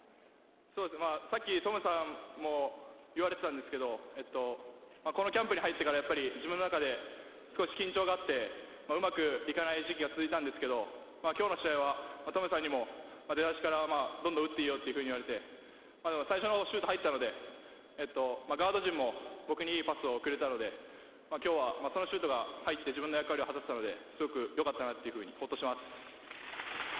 さっき、トムさんも言っていましたけど、このキャンプに入ってから自分の中で少し緊張があって、うまくいかない時期が続いたんですけど、今日の試合はトムさんにも出だしからどんどん打っていいよと言われて、最初のシュート入ったので、ガード陣も僕にいいパスをくれたので、今日はそのシュートが入って、自分の役割は果たせたのですごく良かったかなと、ホッとしています。